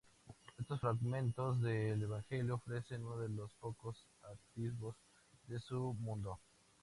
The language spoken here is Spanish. Estos fragmentos del Evangelio ofrecen uno de los pocos atisbos de su mundo.